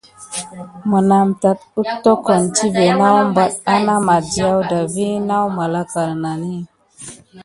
Menam tat éttokon tivé nawbate ana madiaw da vi naw malaka nənani.